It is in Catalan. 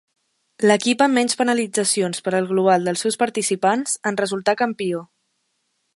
L'equip amb menys penalitzacions per al global dels seus participants en resultà campió.